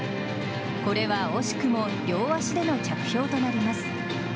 これは惜しくも両足での着氷となります。